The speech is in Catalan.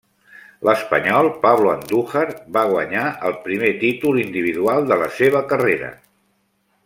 L'espanyol Pablo Andújar va guanyar el primer títol individual de la seva carrera.